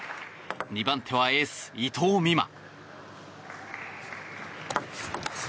２番手はエース、伊藤美誠。